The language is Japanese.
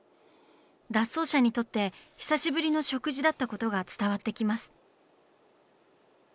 脱走者にとって久しぶりの食事だったことが伝わってきます。